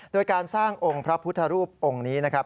โดยการสร้างองค์พระพุทธรูปองค์นี้นะครับ